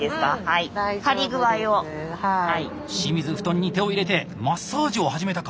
清水布団に手を入れてマッサージを始めたか？